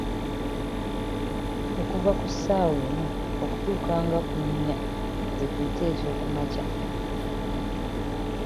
"Okuva ku ssaawa emu okutuuka nga ku nnya, ze tuyita ezookumankya."